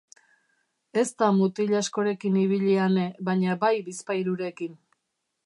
Ez da mutil askorekin ibili Ane, baina bai bizpahirurekin.